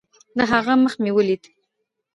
د هغه مخ مې وليد.